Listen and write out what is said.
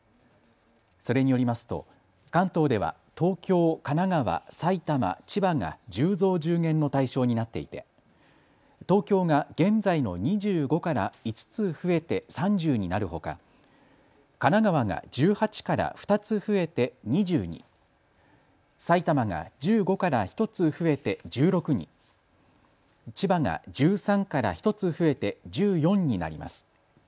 それによりますと関東では東京、神奈川、埼玉、千葉が１０増１０減の対象になっていて東京が現在の２５から５つ増えて３０になるほか神奈川が１８から２つ増えて２０に、埼玉が１５から１つ増えて１６に、千葉が１３から１つ増えて１４になります。